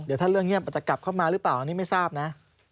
เดี๋ยวถ้าเรื่องเงียบมันจะกลับเข้ามาหรือเปล่าอันนี้ไม่ทราบนะ